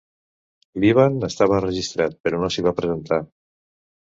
Líban estava registrat però no s'hi va presentar.